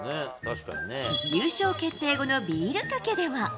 優勝決定後のビールかけでは。